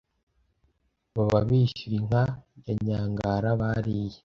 baba bishyura inka ya nyangara bariye